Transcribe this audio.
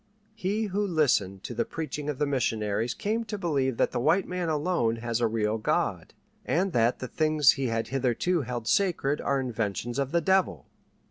He who listened to the preaching of the missionaries came to believe that the white man alone has a real God, and that the things he had hitherto held sacred are inventions of the devil.